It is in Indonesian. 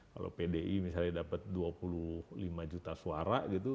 kalau pdi misalnya dapat dua puluh lima juta suara gitu